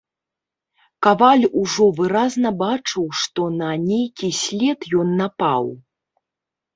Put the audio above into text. Каваль ужо выразна бачыў, што на нейкі след ён напаў.